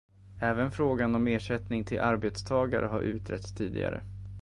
Även frågan om ersättning till arbetstagare har utretts tidigare.